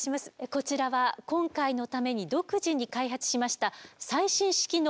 こちらは今回のために独自に開発しました最新式の転送マシンでございます。